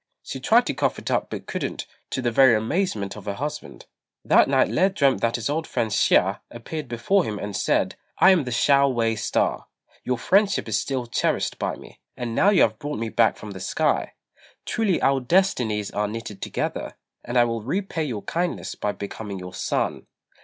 She tried to cough it up but couldn't, to the very great amazement of her husband. That night Lê dreamt that his old friend Hsia appeared before him and said, "I am the Shao wei star. Your friendship is still cherished by me, and now you have brought me back from the sky. Truly our destinies are knitted together, and I will repay your kindness by becoming your son."